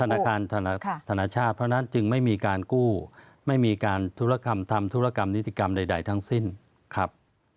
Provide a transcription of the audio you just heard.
ธนาคารธนชาติเพราะฉะนั้นจึงไม่มีการกู้ไม่มีการธุรกรรมทำธุรกรรมนิติกรรมใดทั้งสิ้นครับ